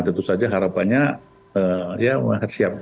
tentu saja harapannya ya siap